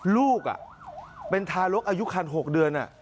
ลูกเป็นทารกอายุคัน๖เดือน